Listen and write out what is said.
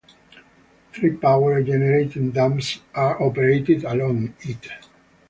Three power generating dams are operated along it.